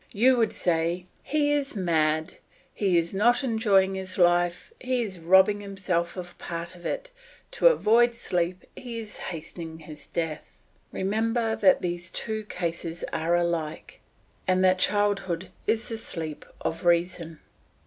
You would say, "He is mad; he is not enjoying his life, he is robbing himself of part of it; to avoid sleep he is hastening his death." Remember that these two cases are alike, and that childhood is the sleep of reason.